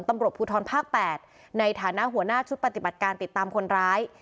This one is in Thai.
ตำรวจภูทรภาค๘ในฐานะหัวหน้าชุดปฏิบัติการติดตามคนร้าย